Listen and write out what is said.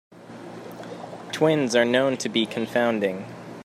Twins are known to be confounding.